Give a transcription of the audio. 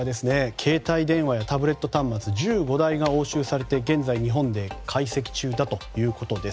携帯電話やタブレット端末１５台が押収されて現在、日本で解析中だということです。